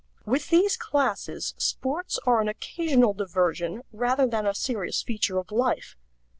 With these classes sports are an occasional diversion rather than a serious feature of life.